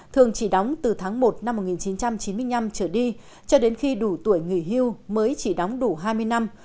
thường chỉ đóng từ tháng một năm một nghìn chín trăm chín mươi năm trở đi cho đến khi đủ tuổi nghỉ hưu mới chỉ đóng đủ hai mươi năm